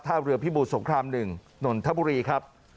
ท่าเรือพิบูธสงครามหนึ่งนนทบุรีครับ